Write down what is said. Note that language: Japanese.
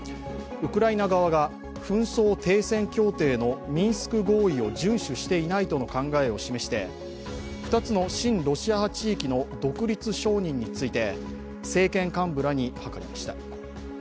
ウクライナ側が紛争停戦協定のミンスク合意を順守していないとの考えを示しまして２つの親ロシア派地域の独立承認について政権幹部らに諮りました。